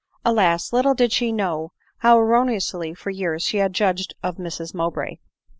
Alas ! little did she know how erroneously for years she had judged of Mrs Mowbray.